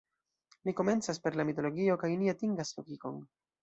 Ni komencas per la mitologio kaj ni atingas logikon.